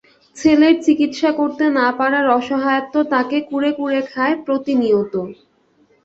ছেলের চিকিৎসা করতে না পারার অসহায়ত্ব তাঁকে কুরে কুরে খায় প্রতিনিয়ত।